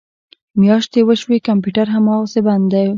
میاشتې وشوې کمپیوټر هماسې بند دی